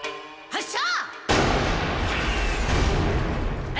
発射！